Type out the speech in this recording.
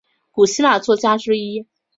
古希腊作家之一。